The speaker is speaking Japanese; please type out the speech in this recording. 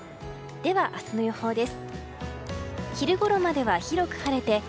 明日の予報です。